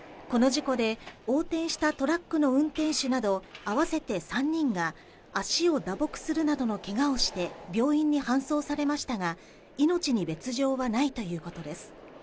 この事故で横転したトラックの運転手など合わせて３人が足を打撲するなどのけがをして病院に搬送されましたが、命に別条はないということです。